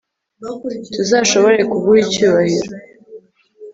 tuzashobore kuguha icyubahiro